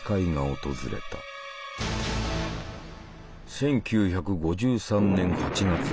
１９５３年８月。